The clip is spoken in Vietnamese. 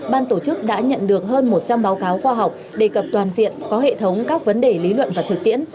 ban tổ chức đã nhận được hơn một trăm linh báo cáo khoa học đề cập toàn diện có hệ thống các vấn đề lý luận và thực tiễn